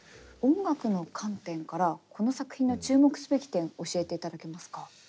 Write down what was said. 音楽の観点からこの作品の注目すべき点教えていただけますか？